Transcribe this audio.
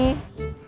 jadi mau lagi